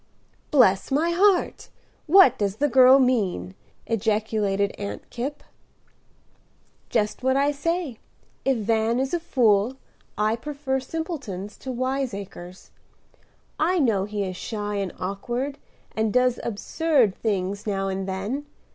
"Bless my heart! what does the girl mean?" ejaculated Aunt Kipp. "Just what I say. If Van is a fool, I prefer simpletons to wiseacres. I know he is shy and awkward, and does absurd things now and then.